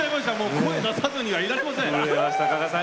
声を出さずにはいられません。